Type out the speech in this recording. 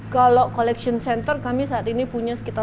kalau collection center kami saat ini punya sekitar dua puluh empat